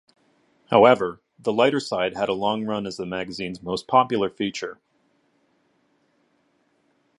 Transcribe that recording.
However, "The Lighter Side" had a long run as the magazine's most popular feature.